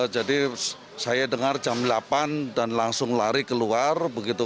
saya dengar jam delapan dan langsung lari keluar